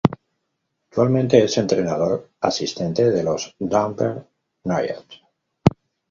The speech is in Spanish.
Actualmente es entrenador asistente de los Denver Nuggets.